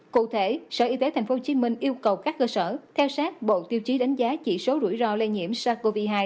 cụ thể sở y tế tp hcm yêu cầu các cơ sở theo sát bộ tiêu chí đánh giá chỉ số rủi ro lây nhiễm sars cov hai